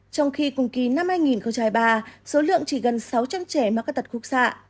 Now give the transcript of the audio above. trong khi cùng kỳ năm hai nghìn hai mươi ba số lượng chỉ gần sáu trăm linh trẻ mắc các tật khúc xạ